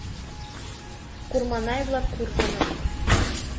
Курманай-влак куржыныт.